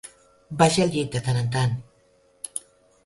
Vagi al llit de tant en tant.